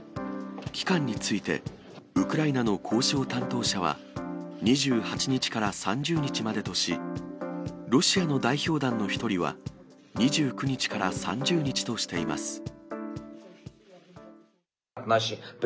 期間について、ウクライナの交渉担当者は、２８日から３０日までとし、ロシアの代表団の一人は２９日から３０日としています。